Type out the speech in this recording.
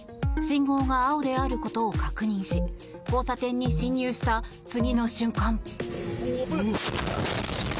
信号が青であることを確認し交差点に進入した次の瞬間。